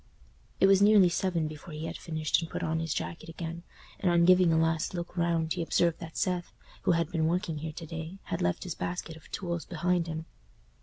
It was nearly seven before he had finished and put on his jacket again; and on giving a last look round, he observed that Seth, who had been working here to day, had left his basket of tools behind him.